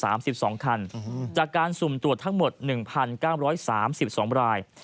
สองคันจากการสุ่มตรวจทั้งหมดหนึ่งพันเก้าร้อยสามสิบสองราย